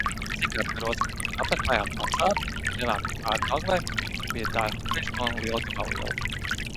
Cik atceros, kad apmeklējām kapsētu, devāmies pāri Daugavai, bija tāls ceļš no Lielgabalu ielas.